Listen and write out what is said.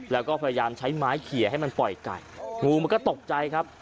แล้วก็พยายามใช้ไม้เขียให้มันปล่อยไก่งูมันก็ตกใจครับ